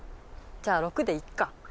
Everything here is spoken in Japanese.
じゃあ６でいっか。